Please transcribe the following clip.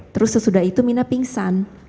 terus sesudah itu mina pingsan